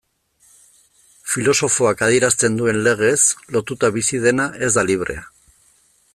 Filosofoak adierazten duen legez, lotuta bizi dena ez da librea.